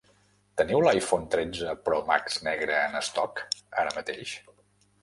Teniu l'iPhone tretze pro max negre en stock ara mateix?